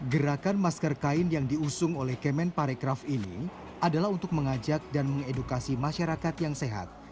gerakan masker kain yang diusung oleh kemen parekraf ini adalah untuk mengajak dan mengedukasi masyarakat yang sehat